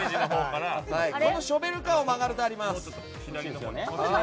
ショベルカーを曲がるとあります。